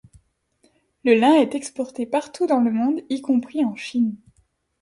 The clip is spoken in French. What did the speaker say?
Le lin est exporté partout dans le monde y compris en Chine.